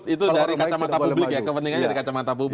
itu dari kacamata publik ya kepentingan dari kacamata publik